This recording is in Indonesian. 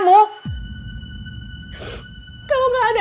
kus partenin berharga